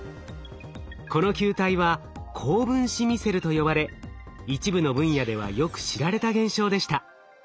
この球体は高分子ミセルと呼ばれ一部の分野ではよく知られた現象でした。